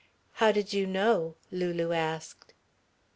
"How did you know?" Lulu asked.